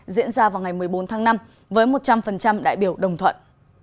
diễn ra vào ngày một mươi bốn tháng năm với một trăm linh đại biểu đồng thuận